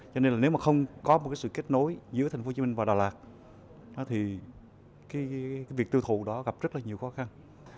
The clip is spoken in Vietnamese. cho nên là nếu mà không có một sự kết nối giữa tp hồ chí minh và đà lạt thì việc tiêu thụ đó gặp rất là nhiều khó khăn